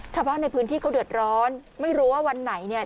ชาวบ้านในพื้นที่เขาเดือดร้อนไม่รู้ว่าวันไหนเนี่ย